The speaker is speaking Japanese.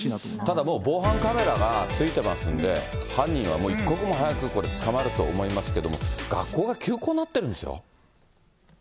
ただ防犯カメラがついてますんで、犯人は一刻も早く捕まると思いますけれども、学校が休校になってるんですよ。